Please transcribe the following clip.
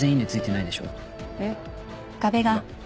えっ。